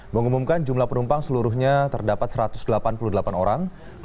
mengumumkan jumlah penumpang seluruhnya terdapat satu ratus delapan puluh delapan orang